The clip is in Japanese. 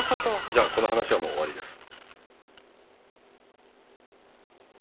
じゃあこの話はもう終わりです。